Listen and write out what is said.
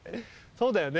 そうだよね。